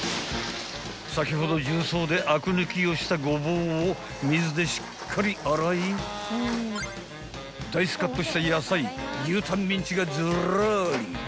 ［先ほど重曹であく抜きをしたゴボウを水でしっかり洗いダイスカットした野菜牛タンミンチがずらり］